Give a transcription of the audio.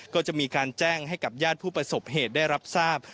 ก็จะมีการแจ้งให้กับญาติผู้ประสบเหตุได้รับทราบ